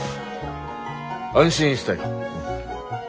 安心したよ。